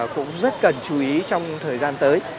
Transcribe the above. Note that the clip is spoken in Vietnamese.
cũng rất cần chú ý trong thời gian tới